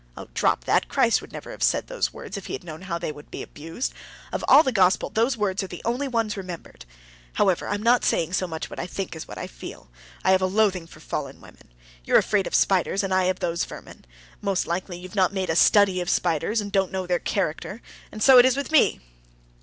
"Ah, drop that! Christ would never have said those words if He had known how they would be abused. Of all the Gospel those words are the only ones remembered. However, I'm not saying so much what I think, as what I feel. I have a loathing for fallen women. You're afraid of spiders, and I of these vermin. Most likely you've not made a study of spiders and don't know their character; and so it is with me."